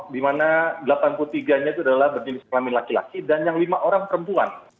di mana delapan puluh tiga nya itu adalah berjenis kelamin laki laki dan yang lima orang perempuan